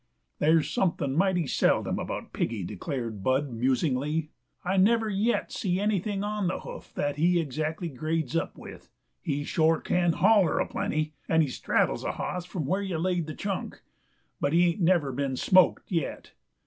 "There's somethin' mighty seldom about Piggy," declared Bud, musingly. "I never yet see anything on the hoof that he exactly grades up with. He can shore holler a plenty, and he straddles a hoss from where you laid the chunk. But he ain't never been smoked yet.